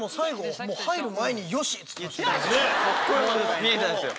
見えたんすよ。